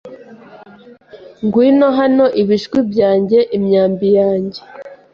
Ngwino hano Ibishwi byanjye imyambi yanjye